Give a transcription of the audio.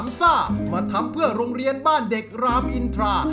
ซ่ามาทำเพื่อโรงเรียนบ้านเด็กรามอินทรา